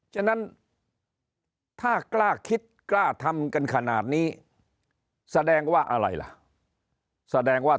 ฉะนั้นถ้ากล้าคิดกล้าทำกันขนาดนี้แสดงว่าอะไรล่ะแสดงว่า